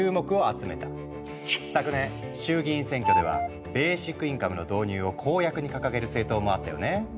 昨年衆議院選挙ではベーシックインカムの導入を公約に掲げる政党もあったよね。